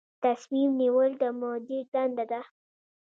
تصمیم نیول د مدیر دنده ده